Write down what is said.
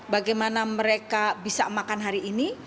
bagaimana mereka bisa makan hari ini